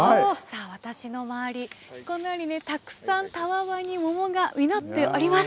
私の周り、こんなふうにね、たくさんたわわに桃が実っております。